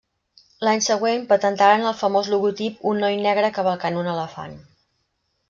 L’any següent patentaren el famós logotip: un noi negre cavalcant un elefant.